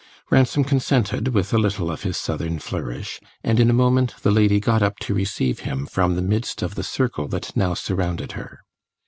Ransom consented, with a little of his Southern flourish, and in a moment the lady got up to receive him from the midst of the circle that now surrounded her.